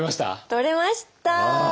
取れました！